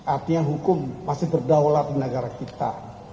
artinya hukum masih berdaulat di negara kita